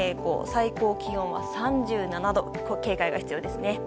最高気温は３７度警戒が必要ですね。